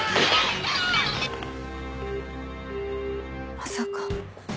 まさか。